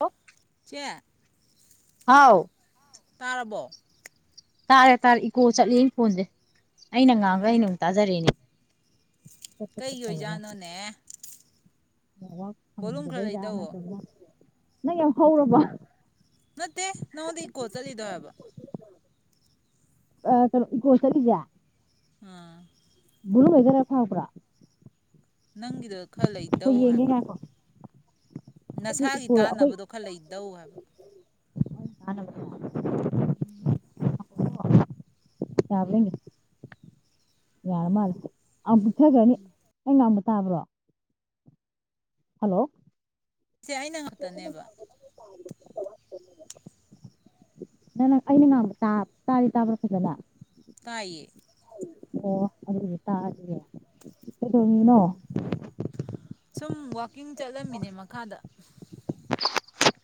Hello ꯆꯦ ꯍꯥꯎ ꯇꯥꯔꯕꯣ ꯇꯥꯔꯦ ꯇꯥꯔꯦ ꯏꯀꯣ ꯆꯠꯂꯤ ꯐꯣꯟꯁꯦ ꯑꯩꯅ ꯉꯥꯡꯒ ꯎꯝ ꯑꯩꯅ ꯑꯃꯨꯛ ꯇꯥꯖꯔꯦꯅꯦ ꯀꯩꯒꯤ ꯇꯧꯔꯒ ꯑꯣꯏꯖꯥꯠꯅꯣꯅꯦ ꯅꯦꯠꯋꯥꯛ ꯕꯣꯂꯨꯝ ꯈꯔ ꯐꯪꯗꯕꯩ ꯂꯩꯗꯧꯋꯣ ꯅꯠꯇ꯭ꯔꯒ ꯅꯪꯌꯥꯝ ꯍꯧꯔꯕꯣ ꯅꯠꯇꯦ ꯅꯉꯣꯟꯗ ꯏꯀꯣ ꯆꯠꯂꯤꯗꯣ ꯍꯥꯏꯕ ꯑ ꯀꯩꯅ ꯏꯀꯣ ꯆꯠꯂꯤꯁꯦ ꯑꯥ ꯕꯣꯂꯨꯝ ꯂꯩꯗꯔ ꯐꯕ꯭ꯔꯥ ꯅꯪꯒꯤꯗꯨ ꯈꯔ ꯑꯩꯈꯣꯏ ꯂꯩꯗꯧ ꯌꯦꯡꯒꯦ ꯍꯥꯏꯕ ꯉꯥꯏꯈꯣ ꯑꯩꯗꯤ ꯅꯁꯥꯒꯤ ꯏꯀꯣ ꯑꯩꯈꯣꯏ ꯇꯥꯟꯅꯕꯗꯣ ꯈꯔ ꯂꯩꯗꯧ ꯍꯥꯏꯕ [unintelligible] ꯎꯝ ꯌꯥꯕ꯭ꯔ ꯌꯦꯡꯒꯦ ꯌꯥꯔ ꯃꯥꯜꯂꯦ [inaudible] ꯇꯥꯕ꯭ꯔꯣ ꯍꯜꯂꯣ ꯁꯤꯁꯦ ꯑꯩꯅ ꯉꯥꯛꯇꯅꯦꯕ ꯅꯪ ꯅꯪ ꯑꯩꯅ ꯉꯡꯕ ꯇꯥꯗꯤ ꯇꯥꯕ꯭ꯔꯥ ꯐꯖꯅ ꯇꯥꯏꯌꯦ ꯑꯣ ꯑꯗꯨ ꯇꯥꯔꯗꯤ ꯌꯔꯦ ꯀꯩꯗꯧꯔꯤꯅꯣꯅꯣ ꯁꯨꯝ ꯋꯥꯛꯀꯤꯡ ꯆꯠꯂꯝꯃꯤꯅꯦ ꯃꯈꯥꯗ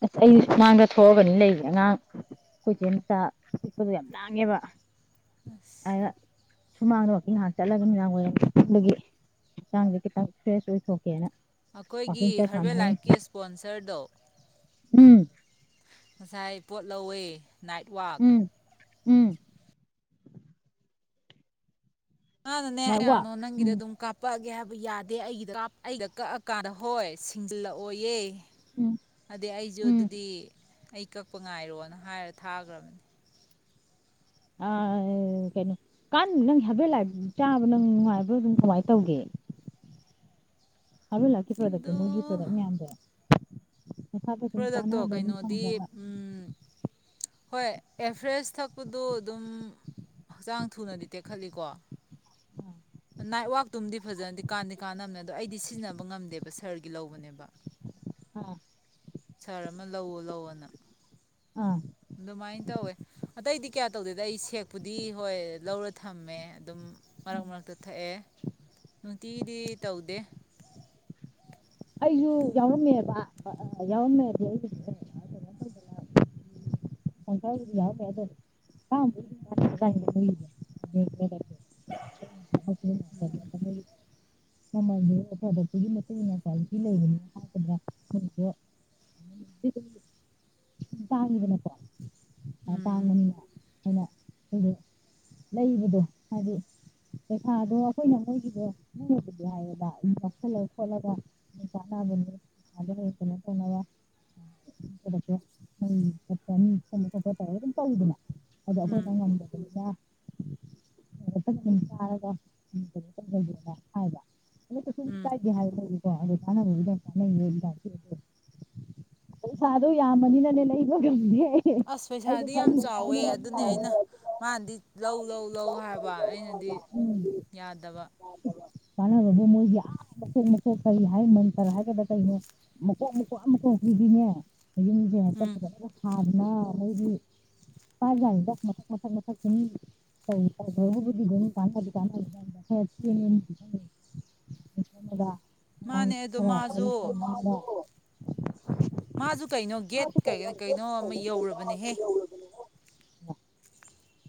ꯑꯁ ꯁꯨꯃꯥꯡꯗ ꯊꯣꯛꯑꯒꯅꯤ ꯂꯩꯌꯦ ꯑꯉꯥꯡ ꯑꯩꯈꯣꯏ ꯏꯆꯦ ꯃꯆꯥ ꯄꯤꯛꯄꯗꯣ ꯌꯥꯝ ꯂꯥꯡꯉꯦꯕ ꯑꯁ ꯑꯗꯨꯅ ꯁꯨꯃꯥꯡꯗ ꯋꯥꯀꯤꯡ ꯉꯥꯏꯍꯥꯛ ꯆꯠꯂꯒ ꯅꯨꯃꯤꯗꯥꯡ ꯋꯥꯏꯔꯝ ꯑꯗꯨꯒꯤ ꯍꯛꯆꯥꯡꯁꯦ ꯈꯤꯇꯪ ꯐ꯭ꯔꯦꯁ ꯑꯣꯏꯊꯣꯛꯀꯦꯅ ꯑꯩꯈꯣꯏꯒꯤ ꯋꯥꯛꯀꯤꯡ ꯆꯠ ꯍꯔꯕꯦꯜ ꯁꯥꯟꯅꯔꯤꯅꯤ ꯂꯥꯏꯐꯀꯤ ꯏꯁꯄꯣꯟꯁꯔꯗꯣ ꯎꯝ ꯉꯁꯥꯏ ꯄꯣꯠ ꯂꯧꯋꯦ ꯅꯥꯏꯠꯋꯔꯥꯛ ꯎꯝ ꯎꯝ ꯃꯅꯅꯦ ꯅꯥꯏꯠ ꯋꯥꯛ ꯀꯌꯥꯅꯣ ꯅꯪꯒꯤꯗꯤ ꯎꯝ ꯑꯗꯨꯝ ꯀꯥꯞꯄꯛꯑꯒꯦ ꯍꯥꯏꯕ ꯌꯥꯗꯦ ꯑꯩꯒꯤꯗ ꯀꯥꯞꯄ ꯑꯩꯗ ꯀꯛꯑ ꯀꯥꯟꯗ ꯍꯣꯏ ꯁꯤꯡꯒꯜꯂꯛꯑꯣꯌꯦ ꯎꯝ ꯑꯗꯨ ꯑꯩꯁꯨ ꯎꯝ ꯑꯗꯨꯗꯤ ꯑꯩ ꯀꯛꯄ ꯉꯥꯏꯔꯣꯅ ꯍꯥꯏꯔ ꯊꯥꯈ꯭ꯔꯕꯅꯤ ꯑ ꯀꯩꯅꯣ ꯍꯧꯖꯤꯛꯀꯥꯟ ꯅꯪ ꯍꯥꯔꯕꯦꯜ ꯂꯥꯏꯄꯇꯣ ꯆꯥꯕ ꯅꯪ ꯅꯨꯡꯉꯥꯏꯕ꯭ꯣꯔ ꯑꯗꯨꯝ ꯀꯃꯥꯏꯅ ꯇꯧꯒꯦ ꯍꯥꯔꯕꯦꯜ ꯂꯥꯏꯄꯀꯤ ꯄ꯭ꯔꯗꯛꯇꯣ ꯑꯗꯨ ꯃꯣꯏꯒꯤ ꯄ꯭ꯔꯣꯗꯛ ꯃꯌꯥꯝꯗꯣ ꯅꯁꯥꯗ ꯁꯨꯝ ꯄ꯭ꯔꯗꯛꯇꯣ ꯀꯥꯟꯅꯕ ꯑꯗꯨꯝ ꯀꯩꯅꯣꯗꯤ ꯐꯪꯕ꯭ꯔꯕ ꯍꯣꯏ ꯑꯦꯐ꯭ꯔꯦꯁ ꯊꯛꯄꯗꯣ ꯑꯗꯨꯝ ꯍꯛꯆꯥꯡ ꯊꯨꯅꯗꯤ ꯇꯦꯛꯈꯠꯂꯤꯀꯣ ꯑꯥ ꯅꯥꯏꯋꯥꯛꯇꯨꯝꯗꯤ ꯐꯖꯅ ꯀꯥꯟꯗꯤ ꯀꯥꯟꯅꯕꯅꯦ ꯑꯗꯣ ꯑꯩꯗꯤ ꯁꯤꯖꯤꯟꯅꯕ ꯉꯝꯗꯦꯕ ꯁꯥꯔꯒꯤ ꯂꯧꯕꯅꯦꯕ ꯑꯝ ꯁꯥꯔ ꯑꯃ ꯂꯧꯑꯣ ꯂꯧꯑꯣꯅ ꯑꯥ ꯑꯗꯨꯃꯥꯏꯅ ꯇꯧꯋꯦ ꯑꯇꯩꯗꯤ ꯀꯌꯥ ꯇꯧꯗꯦꯗ ꯑꯩ ꯁꯦꯛꯄꯨꯗꯤ ꯍꯣꯏ ꯂꯧꯔ ꯊꯝꯃꯦ ꯑꯗꯨꯝ ꯃꯔꯛ ꯃꯔꯛꯇ ꯊꯛꯑꯦ ꯅꯨꯡꯇꯤꯒꯤꯗꯤ ꯇꯧꯗꯦ ꯑꯩꯁꯨ ꯌꯥꯎꯔꯝꯃꯦꯕ ꯑ ꯌꯥꯎꯔꯝꯃꯦꯗꯤ ꯑꯩ [unintelligible] [inaudible] [inaudible] ꯇꯥꯡꯉꯤꯗꯅꯀꯣ ꯑ ꯎꯝ ꯇꯥꯡꯃꯅꯤ ꯍꯥꯏꯅ ꯑꯩꯗꯣ ꯂꯩꯕꯗꯣ ꯍꯥꯏꯗꯤ ꯄꯩꯈꯥꯗꯣ ꯑꯩꯈꯣꯏꯅ ꯃꯣꯏꯒꯤꯗꯣꯏꯅꯕꯨꯗꯤ ꯍꯥꯏꯌꯦꯗ ꯑꯗꯨ ꯀꯥꯁꯜꯂ ꯈꯣꯠꯂꯒ ꯑꯗꯨ ꯆꯥꯅꯕꯅꯦ ꯄꯩꯥꯗ ꯀꯩꯅꯣ ꯇꯧꯔꯣꯏ ꯈ ꯈꯣ ꯑꯗꯨꯝ ꯇ ꯑꯗꯨꯗꯅ ꯎꯝ ꯑ ꯑꯥꯡꯗ ꯆꯥꯔꯒ ꯀꯩꯅꯣ ꯎꯝ ꯀꯥꯏ ꯍꯥꯏ ꯑꯗꯨꯀꯥꯟ ꯎꯗ ꯐꯅꯦ ꯄꯩꯁꯥꯗꯣ ꯌꯥꯝꯃꯅꯤꯅꯅꯦ ꯂꯩꯕꯒꯝꯗꯤ ꯑꯁ ꯄꯩꯁꯥꯗꯤ ꯌꯥꯝ ꯆꯥꯎꯋꯦ ꯑꯗꯨꯅꯦ ꯑꯩꯅ ꯃꯥꯗꯤ ꯂꯧ ꯂꯧ ꯂꯧ ꯍꯥꯏꯕ ꯑꯩꯅꯗꯤ ꯎꯝ ꯌꯥꯗꯕ ꯑꯗꯣ ꯃꯣꯏꯒꯤ ꯑꯥ ꯃꯀꯣꯛ ꯃꯀꯣꯛ ꯀꯔꯤ ꯍꯥꯏ ꯃꯟꯇꯔ ꯍꯥꯏꯒꯗꯥ ꯀꯩꯅꯣ ꯃꯀꯣꯛ ꯃꯀꯣꯛ ꯑꯃ ꯃꯀꯣꯛ ꯄꯔꯤꯅꯦ ꯎꯝ ꯍ ꯉ ꯍꯒꯤ ꯥꯛ ꯃꯊꯛ ꯃꯊꯛ ꯃꯊꯛ ꯀꯥꯟ ꯑꯗꯨꯗꯨ ꯀꯥꯟꯅ ꯑꯗꯨ ꯈꯣꯝꯃꯒ ꯑꯉꯥꯡ ꯃꯥꯅꯦ ꯑꯗꯣ ꯈꯔ ꯋꯥꯔꯤ ꯃꯥꯁꯨ ꯈꯔ ꯉꯥꯡꯉꯒ ꯃꯥꯁꯨ ꯀꯩꯅꯣ ꯒꯦꯠ ꯀꯩꯅꯣ ꯑꯃ ꯌꯧꯔꯕꯅꯦꯍꯦ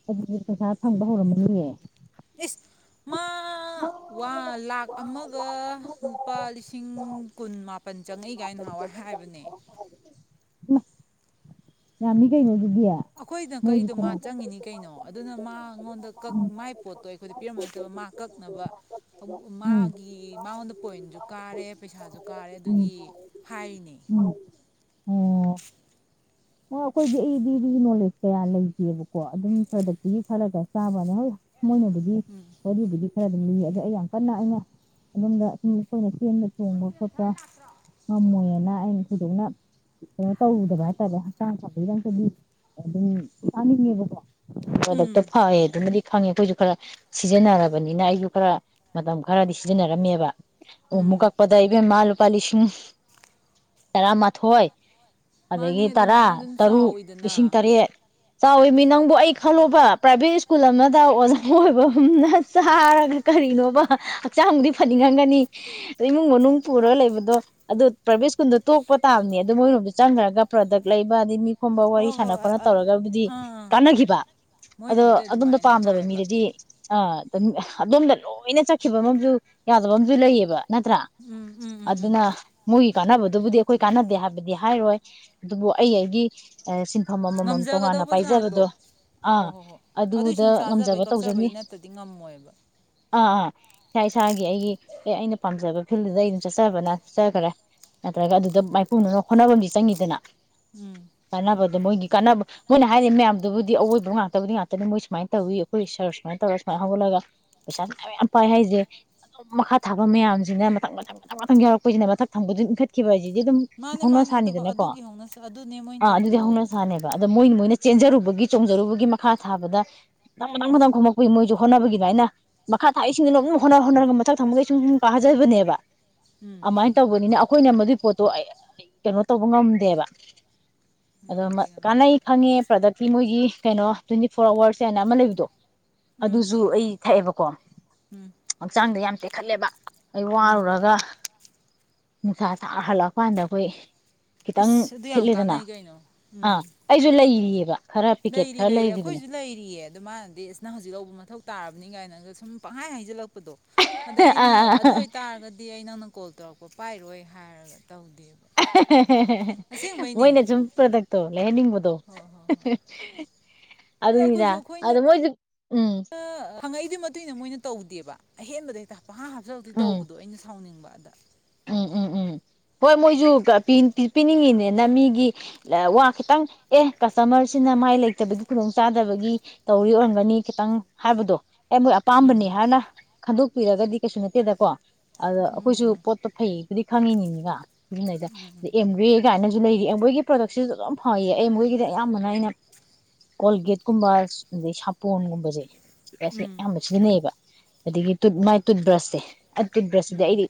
ꯑꯗꯨꯗꯤ ꯄꯩꯁꯥ ꯐꯪꯕ ꯍꯧꯔꯝꯃꯅꯤꯌꯦ ꯏꯁꯁ ꯃꯥ ꯂꯥꯛ ꯑꯃꯒ ꯂꯨꯄꯥ ꯂꯤꯁꯤꯡ ꯀꯨꯟ ꯃꯥꯄꯜ ꯆꯪꯉꯛꯏ ꯀꯥꯏꯅꯍꯥꯟꯋꯥꯏ ꯍꯥꯏꯕꯅꯦ ꯏꯃꯥ ꯌꯥꯝꯃꯤ ꯀꯩ ꯍꯧꯒ ꯑꯩꯈꯣꯏꯗꯪ ꯀꯛꯏꯗꯣ ꯃꯥ ꯆꯪꯉꯤꯅꯤ ꯀꯩꯅꯣ ꯑꯗꯨꯅ ꯃꯥꯉꯣꯟꯗ ꯀꯛ ꯃꯥꯏ ꯄꯣꯠꯇꯣ ꯑꯩꯈꯣꯏꯗ ꯄꯤꯔꯝꯕ ꯅꯠꯇꯕ ꯃꯥ ꯀꯛꯅꯕ ꯎꯝ ꯃꯥꯒꯤ ꯃꯥꯉꯣꯟꯗ ꯄꯣꯏꯟꯁꯨ ꯀꯥꯔꯦ ꯄꯩꯁꯥꯁꯨ ꯀꯥꯔꯦ ꯎꯝ ꯑꯗꯨꯒꯤ ꯍꯥꯏꯔꯤꯅꯦ ꯎꯝ ꯎꯝ ꯑꯣ ꯑꯣ ꯑꯩꯈꯣꯏꯗꯤ ꯑꯩꯗꯤꯅꯤ ꯐꯜꯗ ꯁꯥꯃꯅ ꯎꯝ ꯑꯗꯨꯝ ꯂꯤ ꯑꯗꯣ ꯑꯩ ꯌꯥꯝ ꯀꯟꯅ ꯑꯩꯅ ꯑꯗꯣꯝꯗ ꯁꯨꯝ ꯑꯩꯈꯣꯏꯅ ꯆꯦꯟꯕ ꯅꫭꯏ ꯆꯣꯡꯕ ꯈꯣꯠꯄ ꯖꯦꯊꯔ ꯂꯇ꯭ꯔꯣ ꯉꯝꯃꯣꯏꯅ ꯑꯩꯅ ꯊꯣꯏꯗꯣꯛꯅ ꯀꯩꯅꯣ ꯇꯧꯔꯨꯗꯕ ꯍꯥꯏꯇꯥꯔꯦ ꯍꯛꯆꯥꯡ ꯁꯥꯄꯒꯤꯗꯃꯛꯇꯗꯤ ꯑꯗꯨꯝ ꯆꯥꯅꯤꯡꯉꯦꯕꯀꯣ ꯗꯛꯇ ꯎꯝ ꯐꯦ ꯑꯗꯨ ꯐꯪꯉꯦ ꯑꯩꯈꯣꯏꯁꯨ ꯈꯔ ꯁꯤꯖꯤꯟꯅꯔꯕꯅꯤꯅ ꯑꯩꯁꯨ ꯈꯔ ꯃꯇꯝ ꯈꯔꯗꯤ ꯁꯤꯖꯤꯟꯅꯔꯝꯃꯦꯕ ꯑꯣ ꯎꯝ ꯃꯒꯥꯄꯗ ꯏꯕ ꯃꯥꯜ ꯂꯨꯄꯥ ꯂꯤꯁꯤꯡ ꯇꯔꯥꯃꯥꯊꯣꯏ ꯑꯗꯒꯤ ꯃꯥꯅꯦ ꯇꯔꯥ ꯑꯗꯨꯃꯥꯏꯅ ꯑꯗꯨꯝ ꯇꯔꯨꯛ ꯂꯤꯁꯤꯡ ꯆꯥꯎꯋꯤꯗꯅ ꯇꯔꯦꯠ ꯆꯥꯎꯋꯤ ꯃꯤ ꯅꯪꯕꯨ ꯑꯩ ꯈꯜꯂꯣꯕ ꯄ꯭ꯔꯥꯏꯚꯦꯠ ꯁ꯭ꯀꯨꯜ ꯑꯃꯗ ꯑꯣꯖꯥ ꯑꯣꯏꯕꯅ ꯆꯥꯔꯒ ꯀꯔꯤꯅꯣꯕ ꯍꯛꯆꯥꯡꯕꯨꯗꯤ ꯐꯅꯤꯡꯉꯝꯒꯅꯤꯗ ꯏꯃꯨꯡ ꯃꯅꯨꯡ ꯄꯨꯔꯒ ꯂꯩꯕꯗꯣ ꯑꯗꯨꯣ ꯄ꯭ꯔꯥꯏꯚꯦꯠ ꯁ꯭ꯀꯨꯜꯗꯣ ꯇꯣꯛꯄ ꯇꯥꯕꯅꯦ ꯑꯗꯨ ꯃꯣꯏꯔꯣꯝꯗ ꯆꯪꯈ꯭ꯔꯒ ꯄ꯭ꯔꯗꯛ ꯂꯩꯕ ꯑꯗꯩ ꯃꯤ ꯈꯨꯝꯕ ꯋꯥꯔꯤ ꯍꯣꯏ ꯍꯣꯏ ꯁꯥꯟꯅ ꯈꯣꯠꯅ ꯑ ꯇꯧꯔꯒꯕꯨꯗꯤ ꯑꯥ ꯀꯥꯟꯅꯈꯤꯕ ꯑꯗꯣ ꯃꯣꯏꯅꯕꯨꯗꯤ ꯑꯗꯣꯝꯗ ꯑꯗꯨꯃꯥꯏꯅ ꯄꯥꯝꯗꯕ ꯍꯥꯏꯕ ꯃꯤꯗꯗꯤ ꯑꯝ ꯑꯗꯣꯝꯗ ꯂꯣꯏꯅ ꯆꯠꯈꯤꯕ ꯑꯃꯁꯨ ꯌꯥꯗꯕ ꯑꯃꯁꯨ ꯂꯩꯌꯦꯕ ꯅꯠꯇ꯭ꯔ ꯎꯝ ꯎꯝ ꯎꯝ ꯎꯝ ꯑꯗꯨꯅ ꯃꯣꯏ ꯀꯥꯟꯅꯕꯗꯨꯕꯨꯗꯤ ꯑꯈꯣꯏ ꯀꯥꯟꯅꯗꯦ ꯍꯥꯏ ꯗꯤ ꯍꯥꯏꯔꯣꯏ ꯑꯗꯨꯕꯨ ꯑꯩ ꯑꯩꯒꯤ ꯑꯃꯃꯝ ꯇꯣꯉꯥꯟꯅ ꯉꯝꯖꯒꯗꯧꯕ ꯆꯥꯡꯗꯣ ꯄꯥꯏꯖꯕꯗꯣ ꯍꯣ ꯑꯥ ꯍꯣꯏ ꯍꯣꯏ ꯑꯗꯨꯏ ꯑꯗꯨꯗ ꯁꯨꯝ ꯉꯝꯖꯕ ꯆꯥꯖꯕꯩ ꯇꯧꯖꯅꯤ ꯀꯛꯆꯕꯩ ꯅꯠꯇ꯭ꯔꯗꯤ ꯉꯝꯃꯣꯏꯕ ꯑꯥ ꯑꯥ ꯏꯁꯥ ꯏꯁꯥꯒꯤ ꯑꯩꯒꯤ ꯑꯦ ꯑꯩꯅ ꯄꯥꯝꯖꯕ ꯐꯤꯜꯗꯨꯗ ꯑꯩ ꯑꯗꯨꯝ ꯆꯠꯆꯕꯅ ꯆꯠꯆꯈ꯭ꯔꯦ ꯅꯠꯇ꯭ꯔꯒ ꯑꯗꯨꯗ ꯍꯣꯠꯅꯕꯝꯗꯤ ꯆꯪꯉꯤꯗꯅ ꯎꯝ ꯑ ꯃꯣꯏꯒꯤ ꯀꯥꯟꯅꯕ ꯃꯣꯏꯅ ꯍꯥꯏꯔꯤꯕ ꯃꯌꯥꯝꯗꯨꯕꯨꯗꯤ ꯑꯋꯣꯏꯕ ꯉꯥꯛꯇꯕꯨꯗꯤ ꯉꯥꯛꯇꯅꯤ ꯃꯣꯏ ꯁꯨꯃꯥꯏꯅ ꯇꯧꯋꯤ ꯑꯩꯈꯣꯏ ꯁꯔ ꯁꯨꯃꯥꯏꯅ ꯇꯧꯔꯒ ꯁꯨꯃꯥꯏꯅ ꯍꯧꯒꯠꯂꯒ ꯄꯩꯁꯥ ꯃꯌꯥꯝ ꯄꯥꯏ ꯍꯥꯏꯁꯦ ꯑꯗꯨꯝ ꯃꯈꯥ ꯊꯥꯕ ꯃꯌꯥꯝꯁꯤꯅ ꯃꯊꯪ ꯃꯊꯪ ꯃꯊꯪ ꯃꯊꯪ ꯌꯥꯎꯔꯛꯄꯁꯤꯅ ꯃꯊꯛ ꯊꯪꯕꯗꯨ ꯏꯟꯈꯠꯈꯤꯕ ꯍꯥꯏꯁꯤꯗꯤ ꯑꯗꯨꯝ ꯃꯥꯅꯦ ꯍꯧꯅ ꯃꯥꯅꯦ ꯑꯗꯨ ꯁꯥꯅꯤꯗꯅꯀꯣ ꯑꯗꯨꯒꯤ ꯍꯧꯅꯁꯦ ꯑꯗꯨꯅꯦ ꯃꯣꯏꯅ ꯇꯧꯗꯣ ꯑꯗ ꯃꯣꯏꯅ ꯃꯣꯏꯅ ꯆꯦꯟꯖꯔꯨꯕꯒꯤ ꯆꯣꯡꯖꯔꯨꯕꯒꯤ ꯃꯈꯥ ꯊꯥꯕꯗ ꯃꯊꯪ ꯃꯊꯪ ꯃꯊꯪ ꯈꯣꯝꯃꯛꯄꯒꯤ ꯃꯣꯏꯁꯨ ꯍꯣꯠꯅꯕꯒꯤ ꯑꯗꯨꯃꯥꯏꯅ ꯃꯈꯥ ꯊꯥꯛꯁꯤꯡꯅ ꯑꯗꯨ ꯍꯣꯠꯅ ꯍꯣꯠꯅꯔꯒ ꯃꯊꯛ ꯊꯪꯕꯒꯩ ꯁꯨꯝ ꯁꯨꯝ ꯀꯥꯖꯕꯅꯦꯕ ꯎꯝ ꯑꯃꯥꯏꯅ ꯇꯧꯕꯅꯤꯅ ꯑꯈꯣꯏꯅ ꯃꯗꯨꯏ ꯄꯣꯠ ꯑꯩ ꯑꯩ ꯀꯩꯅꯣ ꯇꯧꯕ ꯉꯝꯗꯦꯕ ꯑꯗꯣ ꯉꯝꯗꯦ ꯉꯝꯗꯦ ꯀꯥꯟꯅꯩ ꯈꯪꯉꯦ ꯄ꯭ꯔꯗꯛꯇꯤ ꯃꯣꯏꯒꯤ ꯀꯩꯅꯣ ꯇ꯭ꯋꯦꯟꯇꯤ ꯐꯣꯔ ꯑꯋꯥꯔꯁ ꯍꯥꯏꯅ ꯑꯃ ꯂꯩꯕꯗꯣ ꯎꯝ ꯑꯗꯨꯁꯨ ꯑꯩ ꯊꯛꯑꯦꯕ ꯀꯣꯟ ꯎꯝ ꯍꯛꯆꯥꯡꯗ ꯌꯥꯝ ꯇꯦꯛ ꯈꯜꯂꯦꯕ ꯑꯩ ꯎꯝ ꯋꯥꯔꯨꯔꯒ ꯅꯨꯡꯁꯥ ꯁꯥ ꯍꯜꯂꯛ ꯀꯥꯟꯗ ꯍꫭꯏ ꯈꯤꯇꯪ ꯏꯁ ꯑꯗꯨ ꯌꯥꯝ ꯊꯤꯠꯂꯤꯗꯅ ꯀꯥꯟꯅꯩ ꯀꯩꯅꯣ ꯎꯝ ꯑꯥ ꯑꯩꯁꯨ ꯂꯩꯔꯤꯌꯦ ꯂꯩꯔꯤ ꯂꯩꯔꯤ ꯑꯈꯣꯏꯁꯨ ꯂꯩꯔꯤꯌꯦ ꯑꯗꯨ ꯃꯥꯥꯟꯅꯗꯤ ꯑꯁ ꯅꯪ ꯍꯧꯖꯤꯛ ꯂꯧꯕ ꯃꯊꯧ ꯇꯥꯔꯕꯅꯤ ꯀꯥꯏꯅ ꯁꯨꯝ ꯄꯍꯥꯏ ꯍꯥꯏꯖꯜꯂꯛ ꯗꯣ ꯑꯗ ꯑꯩꯅ ꯑꯥ ꯑꯗꯨ ꯑꯣꯏꯇꯥꯔꯒꯗꯤ ꯑꯩꯅ ꯀꯣꯜ ꯇꯧꯔꯛꯄ ꯄꯥꯏꯔꯣꯏ ꯍꯥꯏꯔꯒ ꯇꯧꯗꯦꯕ ꯃꯣꯏꯅ ꯑꯁꯦꯡꯕꯩꯅꯦ ꯁꯨꯝ ꯄ꯭ꯔꯗꯛꯇꯣ ꯂꯩꯍꯟꯅꯤꯡꯕꯗꯣ ꯍꯣꯏ ꯍꯣꯏ ꯍꯣꯏ ꯑꯗ ꯑꯗꯨꯅꯤꯗ ꯑꯩꯈꯣꯏꯁꯨ ꯑꯗꯨ ꯃꯣꯏ ꯎꯝ ꯍꯪꯉꯛꯏꯗꯨ ꯃꯇꯨꯡ ꯏꯟꯅ ꯃꯣꯏꯅ ꯇꯧꯗꯦꯕ ꯑꯍꯦꯟꯕꯗ ꯍꯦꯛꯇ ꯄꯪꯍꯥ ꯍꯥꯞꯆꯜꯂꯛꯇꯣꯏ ꯎꯝ ꯇꯧꯕꯗꯣ ꯑꯩꯅ ꯁꯥꯎꯅꯤꯡꯕ ꯑꯗ ꯎꯝ ꯎꯝ ꯎꯝ ꯍꯣꯏ ꯃꯣꯏꯁꯨ ꯄꯤꯅꯤꯡꯉꯤꯅꯦꯅ ꯃꯤꯒꯤ ꯋꯥ ꯈꯤꯇꯪ ꯑꯦ ꯀꯁꯇꯃꯔꯁꯤꯅ ꯃꯥꯏ ꯂꯩꯇꯕꯒꯤ ꯈꯨꯗꯣꯡꯆꯥꯥꯗꯕꯒꯤ ꯇꯧꯔꯤ ꯑꯣꯏꯔꯝꯒꯅꯤ ꯈꯤꯇꯪ ꯍꯥꯏꯕꯗꯣ ꯑꯩ ꯃꯣꯏ ꯑꯄꯥꯝꯕꯅꯤ ꯎꯝ ꯍꯥꯏꯅ ꯈꯟꯗꯣꯛ ꯄꯤꯔꯒꯗꯤ ꯀꯩꯁꯨ ꯅꯠꯇꯦꯗꯀꯣ ꯑꯗ ꯎꯝ ꯑꯈꯣꯏꯁꯨ ꯄꯣꯠꯇꯣ ꯐꯩꯌꯦꯕꯨꯗꯤ ꯈꯪꯉꯤꯅꯤꯗꯅ ꯎꯗꯦꯝꯒ ꯍꯥꯏꯅ ꯑꯗꯨ ꯂꯩꯔꯤ ꯑꯦꯝꯋꯦꯒꯤ ꯄ꯭ꯔꯗꯛꯁꯤꯁꯨ ꯑꯗꯨ ꯐꯩꯌꯦ ꯑꯦꯝꯋꯦꯒꯤꯗꯤ ꯑꯌꯥꯝꯕꯅ ꯑꯩꯅ ꯀꯣꯜꯒꯦꯠꯀꯨꯝꯕ ꯑꯗꯩ ꯁꯥꯄꯣꯟꯒꯨꯝꯕꯁꯦ ꯁꯦ ꯎꯝ ꯑꯌꯥꯝꯕ ꯁꯤꯖꯤꯟꯅꯩꯌꯦꯕ [unintelligible] ꯑꯗꯒꯤ ꯇꯨꯠ ꯎꯝ ꯃꯥꯏ ꯇꯨꯠ ꯕ꯭ꯔꯁꯁꯦ ꯑꯀꯤꯝ ꯕ꯭ꯔꯖꯁꯤꯗꯤ ꯎꯝ ꯑꯩꯗꯤ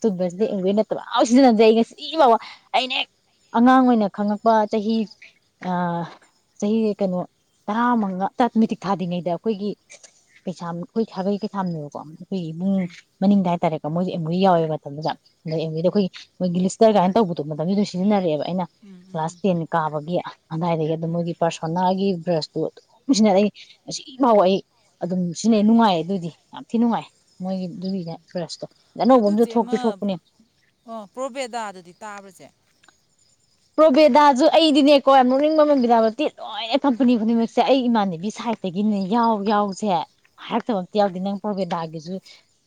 ꯇꯨꯠ ꯕ꯭ꯔꯖꯁꯤꯗ ꯑꯦꯝꯋꯦ ꯅꯠꯇꯕ ꯁꯤꯖꯤꯟꯅꯗꯦ ꯑꯩ ꯉꯁꯤ ꯐꯥꯎꯕ ꯑꯩꯅ ꯍꯦꯛ ꯑꯉꯥꯡ ꯑꯣꯏꯅ ꯈꯪꯉꯛꯄ ꯆꯍꯤ ꯆꯍꯤ ꯀꯩꯅꯣ ꯇꯔꯥꯃꯉꯥ ꯇ ꯃꯤꯇꯤꯛ ꯊꯥꯗ꯭ꯔꯤꯉꯩꯗ ꯑꯩꯈꯣꯏꯒꯤ ꯀꯩꯁꯥꯝ ꯑꯩꯈꯣꯏ ꯁꯥꯒꯩ ꯀꯩꯁꯥꯝꯅꯦꯕꯀꯣ ꯑꯩꯈꯣꯏ ꯏꯕꯨꯡ ꯎꯝ ꯃꯅꯤꯡꯗ ꯍꯥꯏꯇꯥꯔꯦꯀꯣ ꯃꯣꯏꯖꯤ ꯑꯦꯝꯋꯦ ꯌꯥꯎꯋꯦꯕ ꯃꯇꯝꯗꯨꯗ ꯎꯝ ꯑꯦꯝꯋꯦꯗ ꯎꯝ ꯎꯝ ꯑꯩꯈꯣꯏ ꯃꯣꯏꯒꯤ ꯇꯔꯥꯏ ꯇꯧꯕꯗꫭ ꯃꯇꯝꯗꯨꯗ ꯁꯤꯖꯤꯟꯅꯔꯛꯑꯦꯕ ꯑꯩꯅ ꯎꯝ ꯎꯝ ꯎꯝ ꯀ꯭ꯂꯥꯁ ꯎꯝ ꯇꯦꯟ ꯀꯥꯕꯒꯤ ꯑꯗꯥꯏꯗꯒꯤ ꯑꯗꯨꯝ ꯎꯝ ꯃꯣꯏꯒꯤ ꯄꯥꯔꯁꯣꯅꯥꯒꯤ ꯕ꯭ꯔꯁꯇꯣ ꯑꯗꯨꯝ ꯁꯤꯖꯤꯟꯅ ꯑꯩ ꯉꯁꯤꯐꯥꯎꯕ ꯑꯩ ꯑꯗꯨꯝ ꯁꯤꯖꯤꯟꯅꯩ ꯅꯨꯡꯉꯥꯏꯌꯦ ꯑꯗꯨꯗꯤ ꯌꯥꯝ ꯊꯤ ꯅꯨꯡꯉꯥꯏ ꯃꯣꯏꯒꯤ ꯑꯗꯨꯒꯤꯅꯦ ꯕ꯭ꯔꯁꯇꯣ ꯑꯅꯧꯕ ꯑꯝꯁꯨ ꯑꯗꯨꯆꯦ ꯊꯣꯛꯇꯤ ꯑꯃ ꯊꯣꯛꯄꯅꯦ ꯑꯣ ꯄ꯭ꯔꯣꯕꯦꯗꯥꯗꯗꯤ ꯇꯥꯕꯁꯦ ꯄ꯭ꯔꯣꯕꯦꯗꯥꯁꯨ ꯑꯩꯗꯤꯅꯦꯀꯣ ꯌꯥꯝ ꯅꯣꯛꯅꯤꯡꯕ ꯑꯃ ꯕꯤꯗ꯭ꯌꯥꯄꯇꯤ ꯂꯣꯏꯅ ꯀꯝꯄꯅꯤ ꯈꯨꯗꯤꯡꯃꯛꯁꯦ ꯑꯩ ꯏꯃꯥꯟꯅꯕꯤ ꯁꯥꯏꯠꯇꯒꯤꯅꯦ ꯌꯥꯎ ꯌꯥꯎꯁꯦ ꯍꯥꯏꯔꯛꯇꯕ ꯑꯝꯇ ꯌꯥꯎꯗꯦ ꯅꯪ ꯄ꯭ꯔꯣꯕꯦꯗꯥꯒꯤꯁꯨ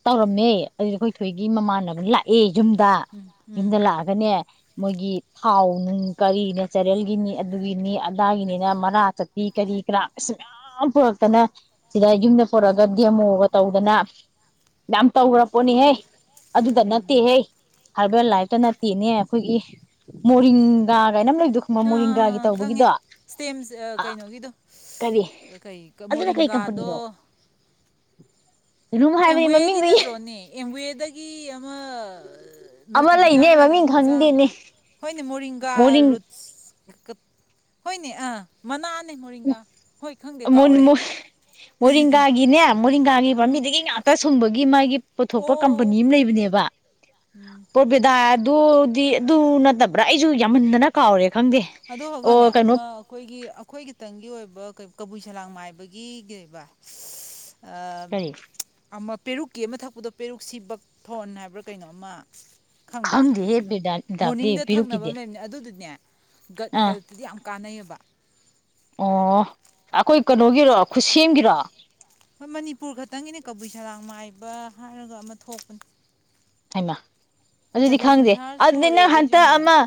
ꯇꯧꯔꯝꯃꯦ ꯑꯗꯨꯗꯤ ꯑꯩꯈꯣꯏ ꯊꯣꯏꯒꯤ ꯃꯃꯥꯟꯅꯕ ꯂꯥꯛꯑꯦ ꯌꯨꯝꯗ ꯎꯝ ꯎꯝ ꯌꯨꯝꯗ ꯂꯥꯛꯑꯒꯅꯦ ꯃꯣꯏꯒꯤ ꯊꯥꯎ ꯅꯨꯡ ꯀꯔꯤ ꯅꯦꯆꯔꯦꯜꯒꯤꯅꯤ ꯑꯗꯨꯒꯤꯅꯤ ꯑꯗꯥꯒꯤꯅꯤꯅ ꯃꯔꯥ ꯆꯄꯤ ꯀꯔꯤ ꯀꯔꯥ ꯀꯩꯁꯨ ꯃꯌꯥꯝ ꯄꯨꯔꯛꯇꯅ ꯁꯤꯗ ꯌꯨꯝꯗ ꯄꯨꯔꯛꯑꯒ ꯗꯦꯃꯣꯒ ꯇꯧꯗꯅ ꯌꯥꯝ ꯇꯧꯈ꯭ꯔ ꯄꯣꯠꯅꯤꯍꯦ ꯑꯗꯨꯗ ꯎꯝ ꯅꯠꯇꯦꯍꯦ ꯍꯥꯔꯕꯦꯜ ꯂꯥꯏꯐꯇ ꯅꯠꯇꯦꯅꯦ ꯑꯩꯈꯣꯏꯒꯤ ꯃꯣꯔꯤꯡꯒꯥ ꯒꯥꯏꯅ ꯂꯩꯗꯨ ꯈꯪꯕꯔ ꯃꯣꯔꯤꯡ ꯈꯪꯉꯦ ꯏꯁꯇꯦꯝ ꯀꯩꯅꯣꯒꯤꯗꯣ ꯀꯔꯤ ꯀꯩ ꯑꯗꯨꯅ ꯀꯩ ꯃꯣꯔꯤꯡꯒꯥꯗꯣ ꯀꯝꯄꯅꯤꯅꯣ ꯀꯩꯅꯣꯝ ꯍꯥꯏꯕꯅꯤ ꯑꯦꯝꯋꯦꯒꯤ ꯃꯃꯤꯡꯗꯣ ꯅꯠꯇ꯭ꯔꯣꯅꯦ ꯑꯦꯝꯋꯦꯗꯒꯤ ꯑꯃ ꯑꯃ ꯂꯩꯅꯦ ꯃꯜꯇꯤꯚꯤꯇꯥꯃꯤꯟ ꯃꯃꯤꯡ ꯑꯃ ꯆꯥ ꯈꯪꯗꯦꯅꯦ ꯍꯣꯏꯅꯦ ꯃ ꯃꯣꯔꯤꯡꯒꯥ ꯃꯣꯔꯤꯡ ꯔꯨꯠꯁ ꯍꯣꯏꯅꯦ ꯑ ꯃꯅꯥ ꯎ ꯃꯣꯔꯤꯡꯒꯥꯒꯤꯅꯦ ꯃꯣꯔꯤꯡꯒꯥꯒꯤ ꯎꯝ ꯄꯥꯝꯕꯤꯗꯒꯤ ꯉꯥꯛ ꯇꯁꯨꯝꯕꯒꯤ ꯃꯥꯒꯤ ꯑꯣ ꯄꯨꯊꯣꯛꯄ ꯀꯝꯄꯅꯤ ꯑꯣ ꯑꯃ ꯂꯩꯕꯅꯦꯕ ꯎꯝ ꯄꯔꯣꯕꯦꯗꯥ ꯑꯗꯨꯗꯤ ꯑꯗꯨ ꯅꯠꯇꯕ꯭ꯔꯥ ꯑꯩꯁꯨ ꯌꯥꯝꯃꯟꯗꯅ ꯀꯥꯎꯔꯦ ꯈꯪꯗꯦ ꯑꯗꯨ ꯍꯧꯒꯅꯦ ꯑꯣ ꯀꯩꯅꯣ ꯑꯃ ꯑꯩꯈꯣꯏꯒꯤ ꯑꯩꯈꯣꯏꯒꯤ ꯈꯤꯇꯪꯒꯤ ꯑꯣꯏꯕ ꯀꯕꯨꯏ ꯁꯂꯥꯡ ꯃꯥꯏꯕꯒꯤ ꯀꯩꯕ ꯀꯔꯤ ꯑꯃ ꯄꯦꯔꯨꯛꯀꯤ ꯑꯃ ꯊꯛꯄꯗꯣ ꯄꯦꯔꯨꯛꯁꯤ ꯕꯛ ꯊꯣꯟ ꯍꯥꯏꯕ꯭ꯔꯥ ꯀꯩꯅꯣꯑꯃ꯫ ꯈꯪꯗꯦꯍꯦ [unintelligible] ꯊꯛꯅꯕ ꯄꯦꯔꯨꯛꯀꯤꯗꯤ꯫ ꯑꯃ ꯂꯩꯕꯅꯦ ꯑꯗꯨꯗꯨꯅꯦ ꯒꯠ ꯍꯦꯜꯇꯗꯤ ꯌꯥꯝ ꯀꯥꯟꯅꯩꯑꯕ꯫ ꯑꯣ ꯑꯩꯈꯣꯏ ꯀꯩꯅꯣꯒꯤꯔꯣ ꯈꯨꯠꯁꯦꯝꯒꯤꯔꯣ꯫ ꯑꯩꯈꯣꯏ ꯃꯅꯤꯄꯨꯔ ꯈꯛꯇꯪꯒꯤꯅꯦ ꯀꯕꯨꯏ ꯁꯂꯥꯡ ꯃꯥꯏꯕ ꯍꯥꯏꯔꯒ ꯑꯃ ꯊꯣꯛꯄꯅꯤ꯫ ꯍꯥꯏꯃ ꯑꯗꯨꯗꯤ ꯈꯪꯗꯦ ꯁꯪꯁꯥꯔ ꯑꯗꯨꯗ ꯁꯨꯔꯦ ꯅꯪ ꯍꯟꯇꯛ ꯑꯩꯁꯨꯅꯦ ꯑꯃ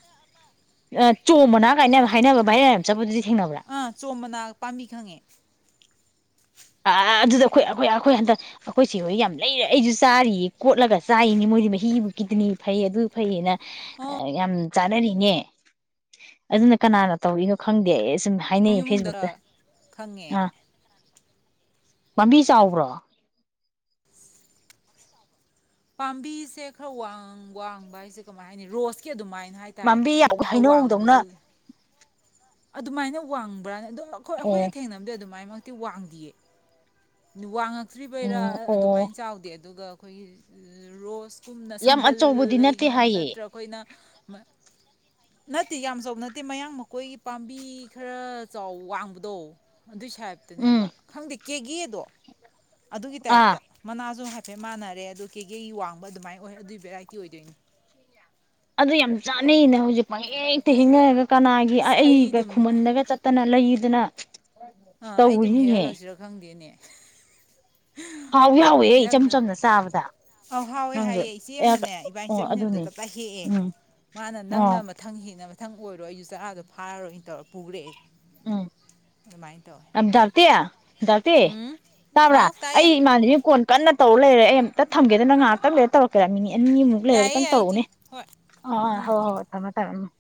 ꯑ ꯆꯣꯝ ꯃꯅꯥ ꯒꯥꯏꯅ ꯍꯥꯏꯅꯕ ꯚꯥꯏꯔꯦꯟ ꯌꯥꯝ ꯆꯠꯄꯗꯨꯗꯤ꯫ ꯊꯦꯡꯅꯕ꯭ꯔꯥ ꯑꯥ ꯆꯣꯝ ꯃꯅꯥ ꯄꯥꯝꯕꯤ ꯈꯪꯉꯦ꯫ ꯑꯥ ꯑꯗꯨꯗ ꯑꯩꯈꯣꯏ ꯑꯩꯈꯣꯏ ꯑꯩꯈꯣꯏ ꯍꯟꯗꯛ ꯑꯩꯈꯣꯏ ꯆꯦ ꯍꯣꯏ ꯌꯥꯝ ꯂꯩꯔꯦ ꯑꯩꯖꯨ ꯆꯥꯔꯤꯌꯦ ꯀꯣꯠꯂꯒ ꯆꯥꯏꯌꯦꯅꯦ ꯃꯣꯏꯗꯤ ꯃꯍꯤꯕꯨ ꯀꯤꯗꯅꯤ ꯐꯩ ꯑꯗꯨ ꯐꯩꯌꯦꯅ ꯑꯣ ꯌꯥꯝ ꯆꯥꯅꯔꯤꯅꯦ ꯑꯗꯨꯅ ꯀꯅꯥꯅ ꯇꯧꯔꯤꯅꯣ ꯈꯪꯗꯦ ꯑꯩ ꯁꯨꯝ ꯍꯥꯏꯅꯩ ꯐꯦꯁꯕꯨꯛꯇ ꯌꯨꯝꯅꯨꯡꯗ ꯑ ꯈꯪꯉꯦ ꯄꯥꯝꯕꯤ ꯆꯥꯎꯕ꯭ꯔꯣ꯫ ꯄꯥꯝꯕꯤꯁꯦ ꯈꯔ ꯋꯥꯡ ꯋꯥꯡꯕ ꯍꯥꯏꯖꯦ ꯀꯃꯥꯏ ꯍꯥꯏꯅꯤ ꯔꯣꯁꯀꯤ ꯑꯗꯨꯃꯥꯏ꯫ ꯄꯝꯕꯤ ꯌꯥꯎꯕ ꯍꯩꯅꯧꯗꯧꯅ꯫ ꯑꯗꯨꯃꯥꯏꯅ ꯋꯥꯡꯕ꯭ꯔꯥꯅꯦ ꯑꯗꯨꯝ ꯑꯩꯈꯣꯏ ꯑꯣ ꯑꯩꯈꯣꯏꯅ ꯊꯦꯡꯅꯕꯗ ꯑꯗꯨꯃꯥꯏ ꯇꯤ ꯋꯥꯡꯗꯤꯌꯦ ꯋꯥꯡꯉꯛ ꯇ꯭ꯔꯤꯕꯩꯔꯥ ꯎꯝ ꯑꯣ ꯑꯗꯨꯃꯥꯏꯅ ꯆꯥꯎꯗꯦ ꯑꯗꯨꯒ ꯑꯩꯈꯣꯏꯒꯤ ꯔꯣꯁ ꯀꯨꯝꯅ ꯌꯥꯝ ꯁꯝꯕꯜ ꯑꯆꯧꯕꯗꯤ ꯅꯠꯇꯦ ꯂꯩꯅ ꯍꯥꯏꯌꯦ ꯅꯠꯇ꯭ꯔꯒ ꯑꯩꯈꯣꯏꯅ [unintelligible] ꯅꯠꯇꯦ ꯌꯥꯝ ꯆꯥꯎ ꯅꯠꯇꯦ ꯃꯌꯥꯡ ꯃꯈꯣꯏ ꯄꯥꯝꯕꯤ ꯈꯔ ꯆꯥꯎ ꯋꯥꯡꯕꯗꯣ꯫ ꯑꯗꯨꯏ ꯎꯝ ꯁꯌꯦꯞꯇꯨꯅꯦꯕ ꯈꯪꯗꯦ꯫ ꯀꯦꯒꯦꯗꯣ꯫ ꯑꯗꯨꯒꯤ ꯑꯥ ꯇꯥꯏꯞꯇ ꯃꯅꯥꯖꯨ ꯍꯥꯏꯞ ꯍꯥꯏꯐꯦꯠ ꯃꯥꯟꯅꯔꯦ ꯑꯗꯣ ꯀꯦꯒꯦꯒꯤ ꯋꯥꯡꯕ ꯑꯗꯨꯃꯥꯏ ꯑꯣꯏ ꯑꯗꯨꯒꯤ ꯚꯦꯔꯥꯏꯇꯤ ꯑꯣꯏꯗꯣꯏꯅꯤ꯫ ꯑꯗꯨ ꯌꯥꯝ ꯆꯥꯅꯩꯅꯦ ꯍꯧꯖꯤꯛ ꯄꯪ ꯍꯦꯛꯇ ꯍꯦꯛꯅꯔꯒ ꯀꯅꯥꯒꯤ ꯑꯁ ꯑꯩ ꯑꯗꯨꯝ ꯈꯨꯃꯟꯗꯒ ꯆꯠꯇꯅ ꯂꯩ ꯑꯗꯨꯅ ꯑ ꯑꯩ ꯑꯗꯨꯝ ꯍꯦꯛꯍꯜꯂꯛꯁꯤꯔꯥ ꯈꯪꯗꯦꯅꯦ꯫ ꯍꯥꯎ ꯑ ꯌꯥꯎꯋꯦꯍꯦ ꯏꯆꯝ ꯍꯦꯛꯍꯟꯅ ꯆꯝꯅ ꯆꯥꯕꯗ [unintelligible] ꯍꯥꯎꯋꯦ ꯅꯪꯁꯨ ꯍꯥꯏꯑꯦ ꯏꯆꯦ ꯑꯃꯅꯅꯦ ꯏꯕꯥꯅꯤ ꯑꯣ ꯆꯠꯃꯤꯟꯅꯕꯗ ꯑꯗꯨꯅꯦ ꯇꯞꯇꯥ ꯍꯦꯛꯑꯦ ꯎꯝ ꯃꯥꯅ ꯅꯪꯅ ꯑꯣ ꯃꯊꯪ ꯍꯦꯛꯅꯕ ꯅꯪ ꯑꯣꯏꯔꯣ ꯑꯩꯖꯨ ꯆꯔꯥꯗꯣ ꯐꯥꯔꯣꯏꯅ ꯇꯧꯔ ꯄꯨꯔꯦ ꯑꯗꯨꯃꯥꯏ ꯑ ꯗꫪꯇꯤ ꯗꯥꫪꯇꯤ ꯇꯥꯕ꯭ꯔꯥ ꯍꯥꯎ ꯇꯥꯏꯌꯦ ꯑꯩ ꯏꯃꯥꯟꯅꯕꯤ ꯀꯣꯟ ꯀꯟꯅ ꯇꯧꯔ ꯂꯩꯔꯦ ꯑꯩ ꯑꯃꯝꯇ ꯊꯝꯒꯦꯅꯦ ꯅꯪ ꯉꯥꯍꯥꯛꯇꯪ ꯂꯩꯔ ꯇꯧꯔꯛꯀꯦꯔ ꯃꯤꯅꯤꯠ ꯑꯅꯤꯃꯨꯛ ꯂꯩꯔꯒ ꯌꯥꯏꯌꯦ ꯇꯪ ꯌꯥꯏꯌꯦ ꯏꯆꯦ ꯇꯧꯔꯛꯎꯅꯦ ꯍꯣꯏ ꯑꯥ ꯑꯥ ꯎꯝ ꯍꯣꯏ ꯍꯣꯏ ꯊꯝꯃꯃꯦ ꯊꯝꯃꯃꯦ [inaudible]